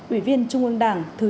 ủy viên trung ương đảng thứ một mươi ba